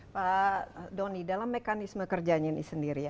pak doni dalam mekanisme kerjanya ini sendiri